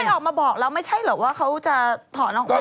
ออกมาบอกแล้วไม่ใช่เหรอว่าเขาจะถอนออกมา